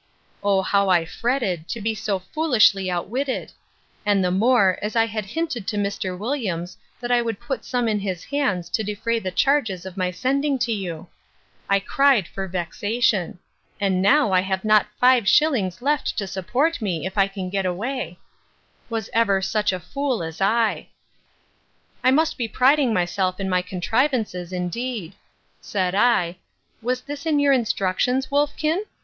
—O how I fretted, to be so foolishly outwitted!—And the more, as I had hinted to Mr. Williams, that I would put some in his hands to defray the charges of my sending to you. I cried for vexation.—And now I have not five shillings left to support me, if I can get away.—Was ever such a fool as I! I must be priding myself in my contrivances, indeed! said I. Was this your instructions, wolfkin?